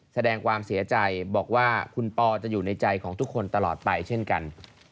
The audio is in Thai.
แสดงความเสียใจบอกว่าคุณปอจะอยู่ในใจของทุกคนตลอดไปเช่นกัน